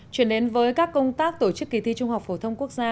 chuyển đến với các công tác tổ chức kỳ thi trung học phổ thông quốc gia